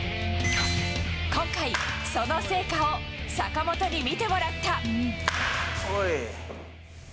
今回、その成果を坂本に見てもらった。